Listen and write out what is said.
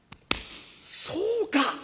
そうか！